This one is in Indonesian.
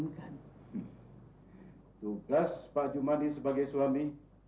saya akan meminta pak jumadi sebagai suami